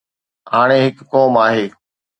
هاڻي هڪ قوم آهي.